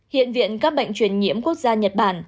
hiện viện các bệnh truyền nhiễm quốc gia nhật bản